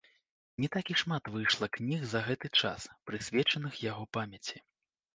Не так і шмат выйшла кніг за гэты час, прысвечаных яго памяці.